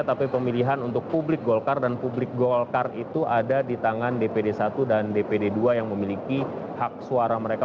tapi pemilihan untuk publik golkar dan publik golkar itu ada di tangan dpd satu dan dpd dua yang memiliki hak suara mereka